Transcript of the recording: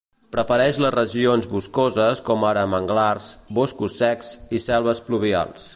Prefereix les regions boscoses com ara manglars, boscos secs i selves pluvials.